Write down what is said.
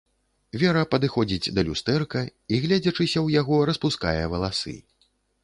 Вера падыходзіць да люстэрка і, гледзячыся ў яго, распускае валасы.